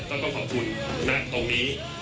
ก็ต้องขอบคุณนักตรงนี้